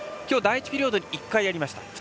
今日、第１ピリオドに１回ありました。